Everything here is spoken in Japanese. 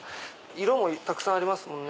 色もたくさんありますもんね。